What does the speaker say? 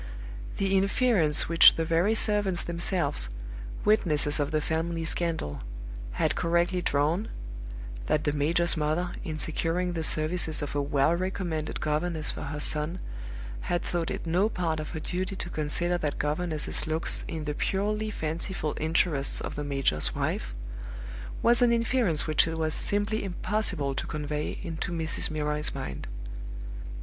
The inference which the very servants themselves, witnesses of the family scandal, had correctly drawn that the major's mother, in securing the services of a well recommended governess for her son, had thought it no part of her duty to consider that governess's looks in the purely fanciful interests of the major's wife was an inference which it was simply impossible to convey into Mrs. Milroy's mind.